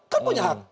kan punya hak